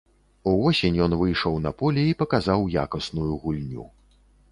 Увосень ён выйшаў на поле і паказаў якасную гульню.